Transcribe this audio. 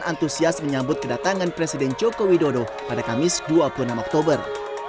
antusias menyambut kedatangan presiden joko widodo pada kamis dua puluh enam oktober